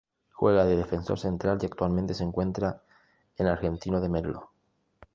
Juega de defensor central y actualmente se encuentra en Argentino de Merlo.